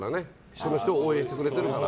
その人を応援してくれてるから。